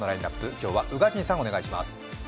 今日は宇賀神さん、お願いします。